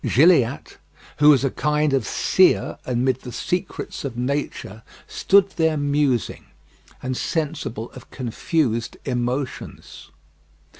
Gilliatt, who was a kind of seer amid the secrets of nature, stood there musing, and sensible of confused emotions.